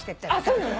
そうなの？